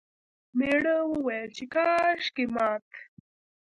میړه وویل چې کاشکې مات...